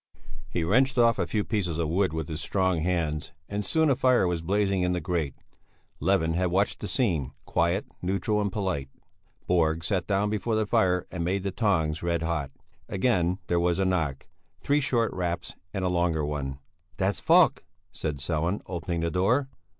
He wrenched off a few pieces of wood with his strong hands and soon a fire was blazing in the grate. Levin had watched the scene, quiet, neutral, and polite. Borg sat down before the fire and made the tongs red hot. Again there was a knock: three short raps and a longer one. "That's Falk," said Sellén, opening the door.